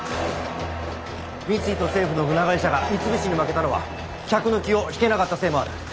三井と政府の船会社が三菱に負けたのは客の気を引けなかったせいもある。